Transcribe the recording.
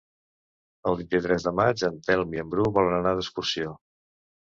El vint-i-tres de maig en Telm i en Bru volen anar d'excursió.